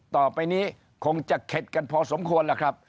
ต่อไปนี้คงจะเข็ดกันพอสมควรล่ะครับ